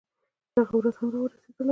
دغه ورځ هم راورسېدله.